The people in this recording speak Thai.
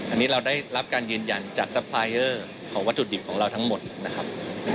อันนี้เราได้รับการยืนยันจากสไพรเยอร์ของวัตถุดิบของเราทั้งหมดนะครับ